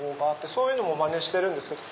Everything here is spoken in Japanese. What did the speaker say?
そういうのもまねしてるんですけど。